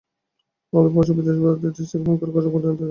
আমাদের প্রবাসী বাবা বিদেশ থেকে প্রতিদিন ফোন করে খোঁজখবর জানতে চান।